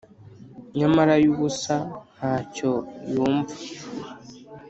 Nyamara y'ubusa, nta cyo yumva!